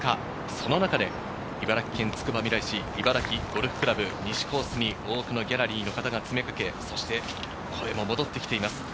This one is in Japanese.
その中で茨城県つくばみらい市の茨城ゴルフ倶楽部西コースに多くのギャラリーの方が詰めかけ、そして、声も戻ってきています。